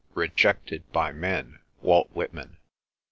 rejected by men." — Walt Whitman.